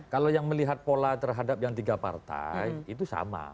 kalau yang melihat pola terhadap yang tiga partai itu sama